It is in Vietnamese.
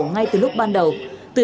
ngay từ lúc ban đầu